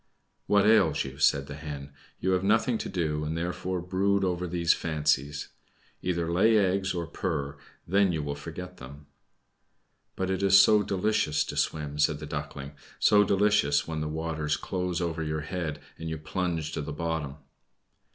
"What ails you?" said the Hen. "You have nothing to do, and therefore brood over these fancies. Either lay eggs or purr, then you will forget them." "But it is so delicious to swim!" said the Duckling. "So delicious when the waters close over your head, and you plunge to the bottom!"